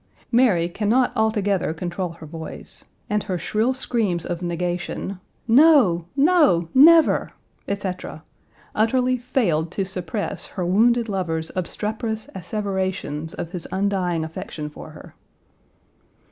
Mary can not altogether control her voice, and her shrill screams of negation, "No, no, never," etc., utterly failed to suppress her wounded lover's obstreperous asseverations of his undying affection for her.